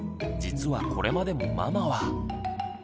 実はこれまでもママは。